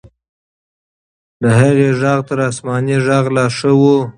د هغې ږغ تر آسماني ږغ لا ښه و.